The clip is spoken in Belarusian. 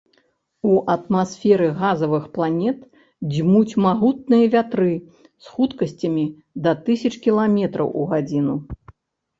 У атмасферы газавых планет дзьмуць магутныя вятры з хуткасцямі да тысяч кіламетраў у гадзіну.